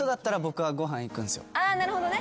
あなるほどね